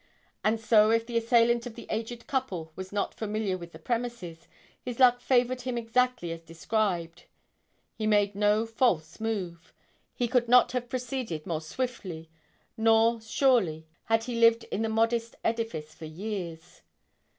And so, if the assailant of the aged couple was not familiar with the premises, his luck favored him exactly as described. He made no false move. He could not have proceeded more swiftly nor surely had he lived in the modest edifice for years.